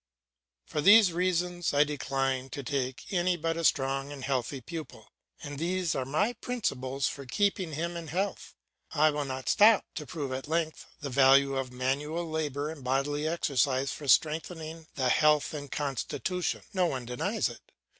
For these reasons I decline to take any but a strong and healthy pupil, and these are my principles for keeping him in health. I will not stop to prove at length the value of manual labour and bodily exercise for strengthening the health and constitution; no one denies it.